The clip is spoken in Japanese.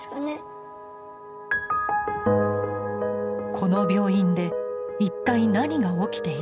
この病院で一体何が起きているのか。